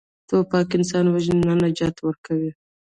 توپک انسان وژني، نه نجات ورکوي.